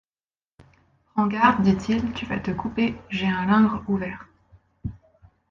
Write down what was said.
Prends garde ! dit-il, tu vas te couper, j’ai un lingre ouvert.